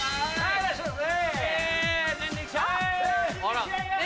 いらっしゃいませ！